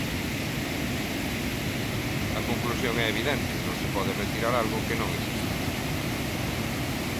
A conclusión é evidente, non se pode retirar algo que non existe.